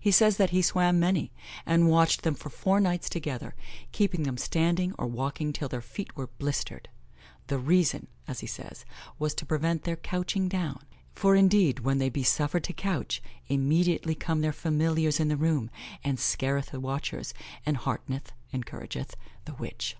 He says that he swam many, and watched them for four nights together, keeping them standing or walking till their feet were blistered; "the reason" as he says, "was to prevent their couching down; for indeed, when they be suffered to couch, immediately come their familiars in the room, and scareth the watchers, and heartneth (encourageth) the witch."